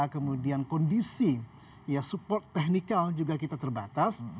kemudian kondisi ya support technical juga kita terbatas